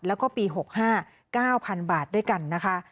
แล้วก็ปี๖๕๙๐๐บาทด้วยกันนะคะ